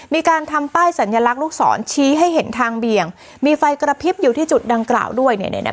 มีการทำป้ายสัญลักษณ์ลูกศรชี้ให้เห็นทางเบี่ยงมีไฟกระพริบอยู่ที่จุดดังกล่าวด้วยเนี่ย